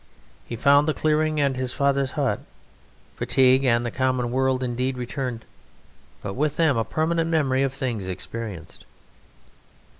He found the clearing and his father's hut; fatigue and the common world indeed returned, but with them a permanent memory of things experienced.